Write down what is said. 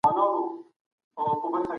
لکه نه چي وي